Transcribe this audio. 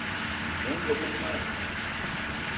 meeṅa buṭ naa